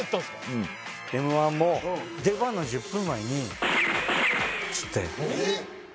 うんＭ−１も出番の１０分前につってえっ？